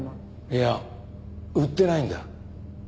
いや売ってないんだ。